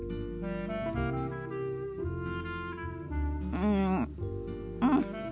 うんうん。